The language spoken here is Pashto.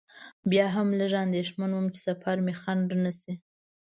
بیا هم لږ اندېښمن وم چې سفر مې خنډ نه شي.